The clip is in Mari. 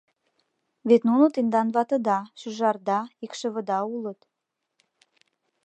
Вет нуно тендан ватыда, шӱжарда, икшывыда улыт.